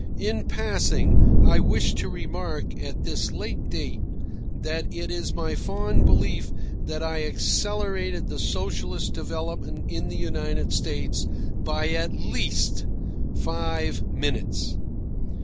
In passing, I wish to remark, at this late date, that it is my fond belief that I accelerated the socialist development in the United States by at least five minutes.